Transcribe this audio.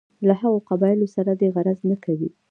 له هغو قبایلو سره دې غرض نه کوي.